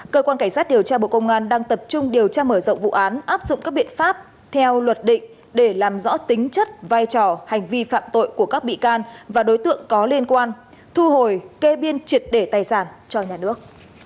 cơ quan cảnh sát điều tra bộ công an đang tập trung điều tra mở rộng vụ án áp dụng các biện pháp theo luật định để làm rõ tính chất vai trò hành vi phạm tội của các bị can và đối tượng có liên quan thu hồi kê biên triệt để tài sản cho nhà nước